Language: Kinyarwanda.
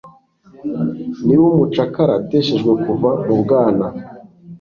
Niba umucakara ateteshejwe kuva mu bwana